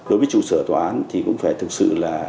đối với trụ sở tòa án thì cũng phải thực sự là